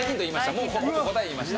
もう答え言いました。